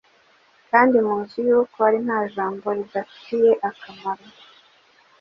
Kandi muzi yuko ari nta jambo ribafitiye akamaro.